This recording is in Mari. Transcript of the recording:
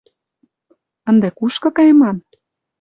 — Ынде кушко кайыман?»